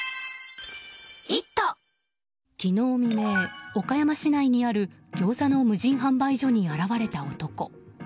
昨日未明、岡山市内にあるギョーザの無人販売所に現れた男。